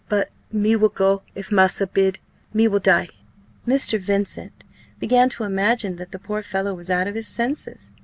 "But me will go, if massa bid me will die!" Mr. Vincent began to imagine that the poor fellow was out of his senses.